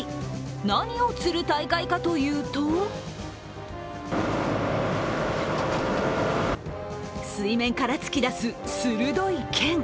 何を釣る大会かというと水面から突き出す鋭い剣。